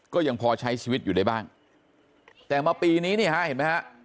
ก็ยังพอใช้ชีวิตอยู่ได้บ้างแต่มาปีนี้นี่ฮะเห็นไหมฮะ